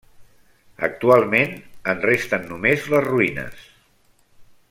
Actualment, en resten només les ruïnes.